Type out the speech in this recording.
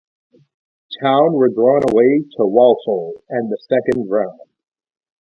Town were drawn away to Walsall in the Second round.